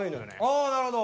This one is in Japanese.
ああなるほど。